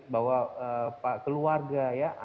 bahwa keluarga ya